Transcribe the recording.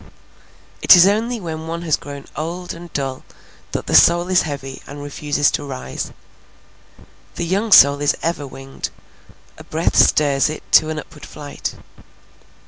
It is only when one has grown old and dull that the soul is heavy and refuses to rise. The young soul is ever winged; a breath stirs it to an upward flight.